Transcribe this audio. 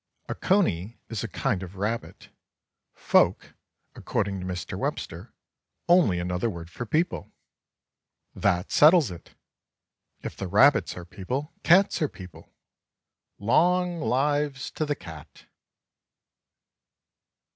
A coney is a kind of rabbit; folk, according to Mr. Webster, only another word for people. That settles it! If the rabbits are people, cats are people. Long lives to the cat!